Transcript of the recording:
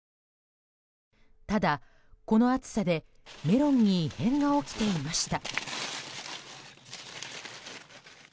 ただ、この暑さでメロンに異変が起きていました。